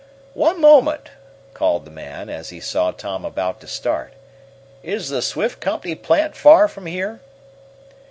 "One moment!" called the man, as he saw Tom about to start "Is the Swift Company plant far from here?"